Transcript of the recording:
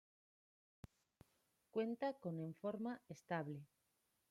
Cuenta con en forma estable.